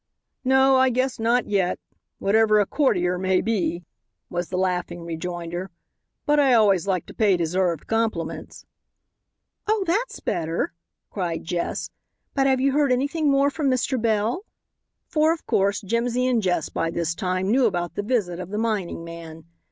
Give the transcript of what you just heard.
"No, I guess not yet whatever a courtier may be," was the laughing rejoinder; "but I always like to pay deserved compliments." "Oh, that's better," cried Jess; "but have you heard anything more from Mr. Bell?" For, of course, Jimsy and Jess by this time knew about the visit of the mining man.